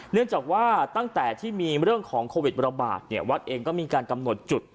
เนื่องจากว่าตั้งแต่ที่มีเรื่องของโควิดระบาดเนี่ยวัดเองก็มีการกำหนดจุด